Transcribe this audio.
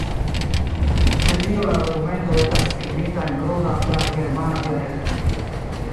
Ĉe tio la dokumento estas skribita en kruda platgermana dialekto.